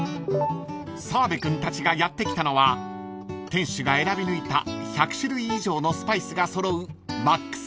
［澤部君たちがやって来たのは店主が選び抜いた１００種類以上のスパイスが揃う］